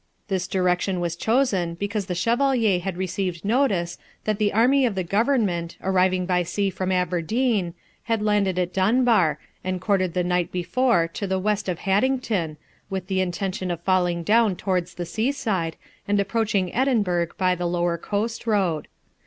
This direction was chosen because the Chevalier had received notice that the army of the government, arriving by sea from Aberdeen, had landed at Dunbar, and quartered the night before to the west of Haddington, with the intention of falling down towards the sea side, and approaching Edinburgh by the lower coast road.